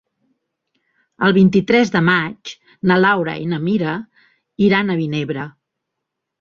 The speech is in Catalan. El vint-i-tres de maig na Laura i na Mira iran a Vinebre.